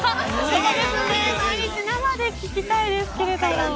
毎日生で聞きたいですけれども。